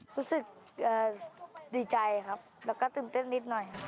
รู้สึกดีใจครับแล้วก็ตื่นเต้นนิดหน่อยครับ